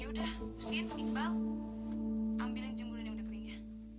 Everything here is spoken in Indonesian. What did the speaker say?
ya udah pusihin iqbal ambilin jumuran yang udah kering ya